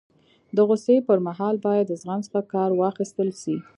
د غوصي پر مهال باید د زغم څخه کار واخستل سي.